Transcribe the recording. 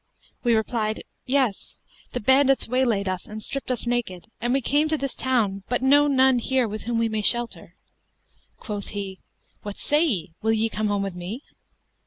We replied, 'Yes: the bandits waylaid us and stripped us naked, and we came to this town but know none here with whom we may shelter.' Quoth he, 'What say ye? will you come home with me?'